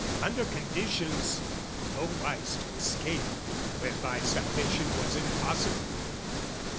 "Under conditions, nowise to escape, "Whereby salvation was impossible.